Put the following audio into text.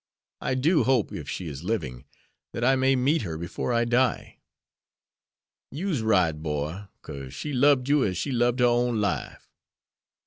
I do hope, if she is living, that I may meet her before I die." "You's right, boy, cause she lub'd you as she lub'd her own life.